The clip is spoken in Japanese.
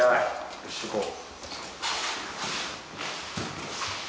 よし行こう。